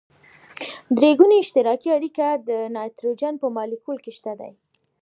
درې ګوني اشتراکي اړیکه د نایتروجن په مالیکول کې شته ده.